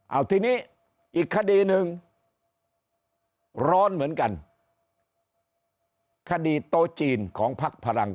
เอาทีนี้อีกคดีหนึ่งร้อนเหมือนกันคดีโต๊ะจีนของพักพลัง